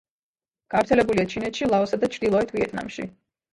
გავრცელებულია ჩინეთში, ლაოსსა და ჩრდილოეთ ვიეტნამში.